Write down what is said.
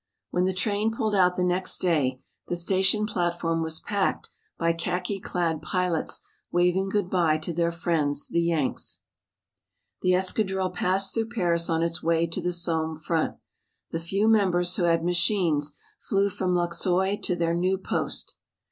When the train pulled out the next day the station platform was packed by khaki clad pilots waving good bye to their friends the "Yanks." The escadrille passed through Paris on its way to the Somme front. The few members who had machines flew from Luxeuil to their new post.